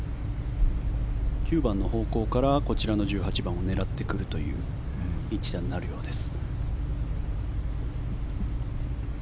９番の方向からこちらの１８番を狙ってくるという一打になるようです。